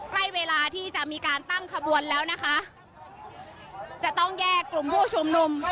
ใกล้เวลาที่จะมีการตั้งขบวนแล้วนะคะจะต้องแยกกลุ่มผู้ชุมนุม